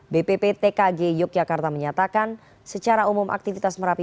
bpptkg yogyakarta menyatakan secara umum aktivitas merapi